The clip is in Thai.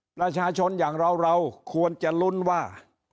ประชาชนอย่างเราเราควรจะลุ้นว่า